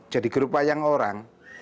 jadi grup wayang orang